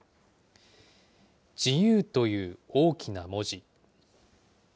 自由という大きな文字。